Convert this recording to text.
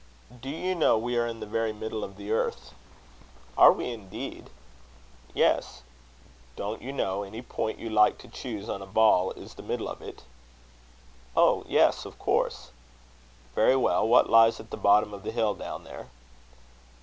Do you know we are in the very middle of the earth?" "Are we, indeed?" "Yes. Don't you know any point you like to choose on a ball is the middle of it?" "Oh! yes of course." "Very well. What lies at the bottom of the hill down there?"